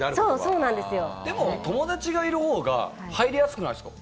でも友達がいる方が入りやすくないですか？